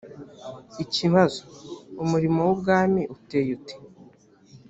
ikibazo umurimo w’ubwami uteye ute‽